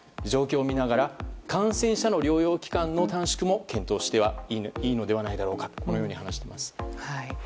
状況を見ながら感染者の療養期間の短縮も検討してもいいのではないだろうかと話しています。